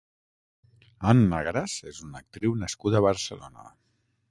Anna Gras és una actriu nascuda a Barcelona.